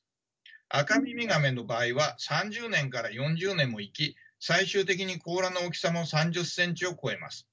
アカミミガメの場合は３０年から４０年も生き最終的に甲羅の大きさも３０ｃｍを超えます。